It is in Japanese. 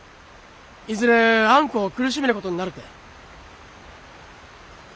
いずれあんこを苦しめることになるて。